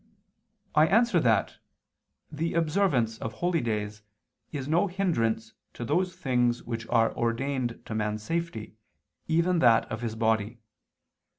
I answer that, The observance of holy days is no hindrance to those things which are ordained to man's safety, even that of his body.